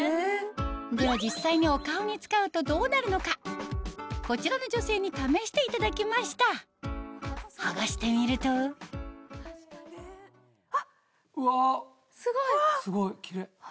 では実際にお顔に使うとどうなるのかこちらの女性に試していただきました剥がしてみるとうわっすごいキレイ。